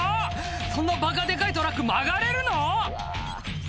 そんなばかデカいトラック曲がれるの？